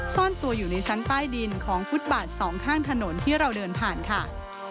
ซ่อนตัวอยู่ในชั้นใต้ดินของฟุตบาทสองข้างถนนที่เราเดินผ่านค่ะ